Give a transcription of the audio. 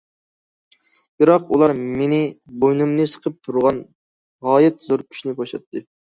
بىراق، ئۇلار مېنى بوينۇمنى سىقىپ تۇرغان غايەت زور كۈچنى بوشاتتى.